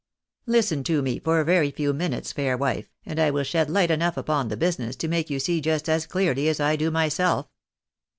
Listen to me for a very few minutes, fair wife, and I will shed light enough upon the business to make you see just as clearly as I do myself."